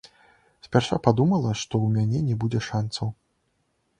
Спярша падумала, што ў мяне не будзе шанцаў.